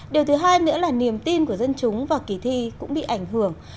điều thứ hai nữa là niềm tin của dân chúng và kỳ thi cũng bị ảnh hưởng